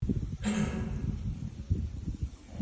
These are difficult times.